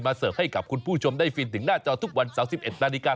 เสิร์ฟให้กับคุณผู้ชมได้ฟินถึงหน้าจอทุกวันเสาร์๑๑นาฬิกา